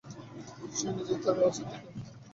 সে নিজেই তার ব্যবস্থা ঠিক করে নেবে।